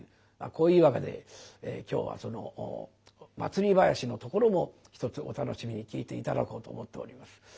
今日はその祭り囃子のところもひとつお楽しみに聴いて頂こうと思っております。